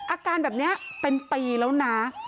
อาการแบบนี้เป็นปีแล้วนะ